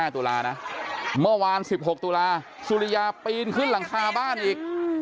ตุลานะเมื่อวาน๑๖ตุลาสุริยาปีนขึ้นหลังคาบ้านอีก